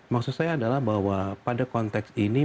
maksud saya adalah bahwa pada konteks ini